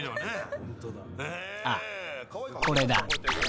［あっこれだ］